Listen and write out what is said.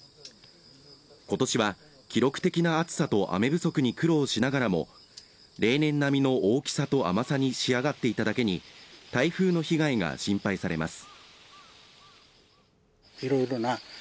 今年は記録的な暑さと雨不足に苦労しながらも例年並みの大きさと甘さに仕上がっていただけに台風の被害が心配されます。